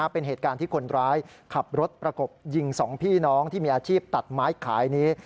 เป็นเหตุการณ์ที่คนร้ายขับรถประกบยิง๒พี่น้องที่มีอาชีพตัดไม้ขายนี้